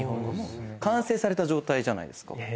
完成された状態じゃないですか。